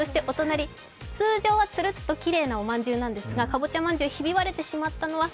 通常はつるっときれいなおまんじゅうなんですが、かぼちゃ饅頭、ひび割れてしまったのは